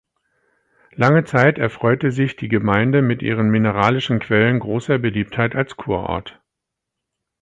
Lange Zeit erfreute sich die Gemeinde mit ihren mineralischen Quellen großer Beliebtheit als Kurort.